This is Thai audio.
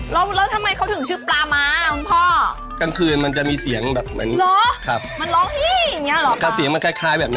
แล้วทำไมเขาถึงชื่อปลาม้าครับพ่อ